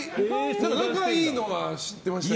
仲良いのは知ってましたけど。